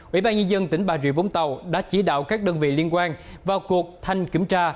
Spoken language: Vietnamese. ủy ban nhân dân tỉnh bà rịa vũng tàu đã chỉ đạo các đơn vị liên quan vào cuộc thanh kiểm tra